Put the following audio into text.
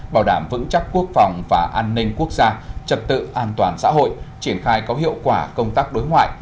bảo đảm vững chắc quốc phòng và an ninh quốc gia trật tự an toàn xã hội triển khai có hiệu quả công tác đối ngoại